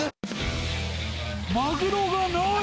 マグロがない！